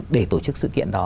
để tổ chức sự kiện đó